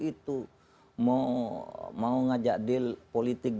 itu mau ngajak deal politik